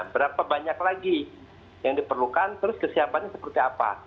berapa banyak lagi yang diperlukan terus kesiapannya seperti apa